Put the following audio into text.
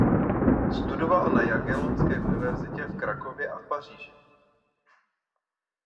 Studoval na Jagellonské univerzitě v Krakově a v Paříži.